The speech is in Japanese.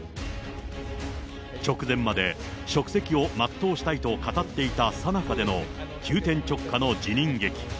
直前まで職責を全うしたいと語っていたさなかでの、急転直下の辞任劇。